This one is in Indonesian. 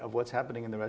adalah hal yang harus